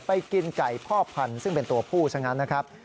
กินไก่พ่อพันธุ์ซึ่งเป็นตัวผู้ซะงั้นนะครับ